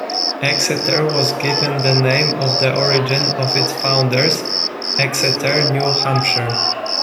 Exeter was given the name of the origin of its founders, Exeter, New Hampshire.